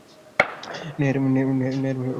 ন্যায়ের চূড়ান্তে পৌঁছেছেন।